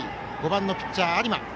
５番ピッチャー、有馬。